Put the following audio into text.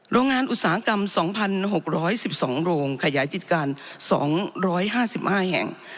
โรงงานอุตสาหกรรมสองพันหกร้อยสิบสองโรงขยายจิตการสองร้อยห้าสิบห้าแห่ง